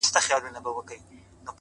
• پر ما خوښي لكه باران را اوري،